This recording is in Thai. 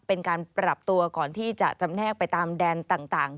เป็นการปรับตัวก่อนที่จะจำแนกไปตามแดนต่าง